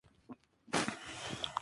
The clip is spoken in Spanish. Stella S. Denison.